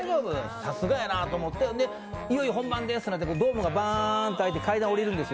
さすがやなと思って、いよいよ本番ですとなってドームがバーンと開いて階段降りるんですよ。